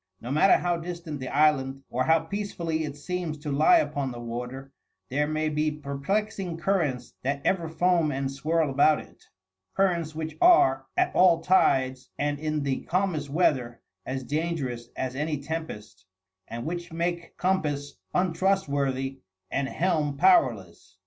No matter how distant the island or how peacefully it seems to lie upon the water, there may be perplexing currents that ever foam and swirl about it currents which are, at all tides and in the calmest weather, as dangerous as any tempest, and which make compass untrustworthy and helm powerless.